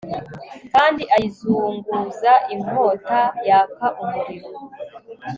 Kandi ayizunguza inkota yaka umuriro